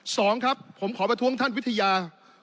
สองครับผมขอประท้วงท่านวิทยา